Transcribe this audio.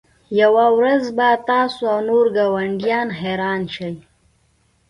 یوه ورځ به تاسو او نور ګاونډیان حیران شئ